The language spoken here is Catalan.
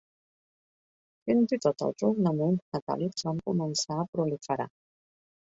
Fins i tot els ornaments metàl·lics van començar a proliferar.